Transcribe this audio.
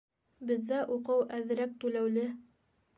Беҙҙә уҡыу әҙерәк түләүле.